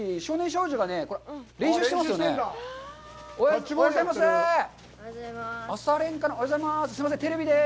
おはようございます。